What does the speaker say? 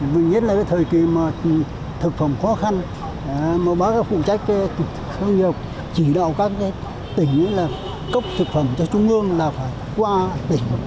vì nhất là thời kỳ thực phẩm khó khăn mà bác phụ trách chỉ đạo các tỉnh cốc thực phẩm cho trung ương là phải qua tỉnh